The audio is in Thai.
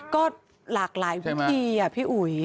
ก็หลากหลายวิธีพี่อุ๋ย